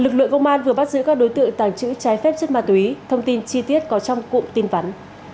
lực lượng công an vừa bắt giữ các đối tượng tàng trữ trái phép chất ma túy thông tin chi tiết có trong cụm tin vắn